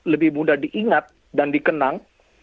lebih mudah diingat dan dikenang